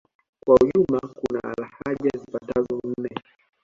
Kwa ujumla kuna lahaja zipatazo nne